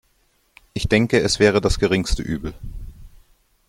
Ich denke, es wäre das geringste Übel.